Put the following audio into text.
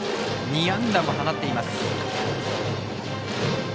２安打も放っています。